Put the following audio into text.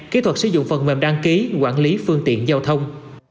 kỹ thuật sử dụng phần mềm đăng ký quản lý phương tiện giao thông